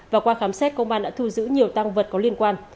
và qua khám xét công an đã thu giữ nhiều tăng vật có liên quan